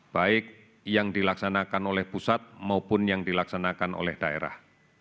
baik yang dilaksanakan oleh pusat maupun yang dilaksanakan oleh daerah